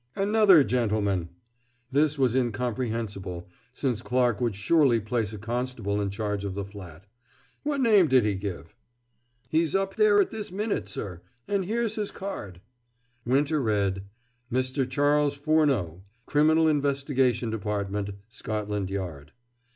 "Another gentleman!" this was incomprehensible, since Clarke would surely place a constable in charge of the flat. "What name did he give?" "He's up there at this minnit, sir, an' here's his card." Winter read: "Mr. Charles Furneaux, Criminal Investigation Department, Scotland Yard."